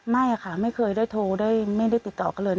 ไม่ค่ะไม่เคยได้โทรได้ไม่ได้ติดต่อกันเลย